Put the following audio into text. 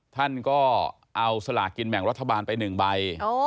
ท่านก็เอาสลากินแบ่งรัฐบาลไป๑ใบ